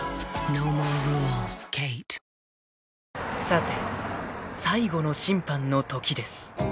［さて最後の審判の時です］